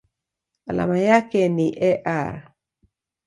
Alama yake ni Ar.